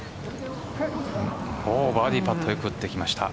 バーディーパットよく打ってきました。